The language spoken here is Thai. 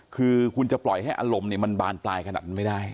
คือคุณจะปล่อยให้อารมณ์มันบานปลายขนาดนั้นไม่ได้